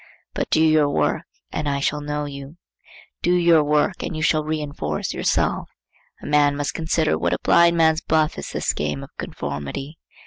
But do your work, and I shall know you. Do your work, and you shall reinforce yourself. A man must consider what a blindman's buff is this game of conformity.